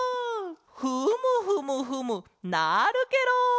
フムフムフムなるケロ！